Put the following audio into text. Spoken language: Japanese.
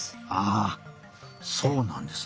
あそうなんですね。